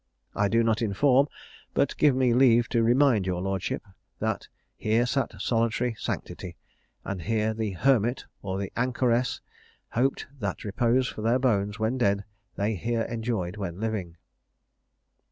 I do not inform, but give me leave to remind your lordship, that here sat solitary Sanctity, and here the hermit or the anchoress hoped that repose for their bones when dead they here enjoyed when living.